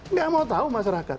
nggak mau tahu masyarakat